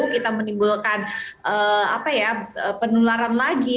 kita menimbulkan penularan lagi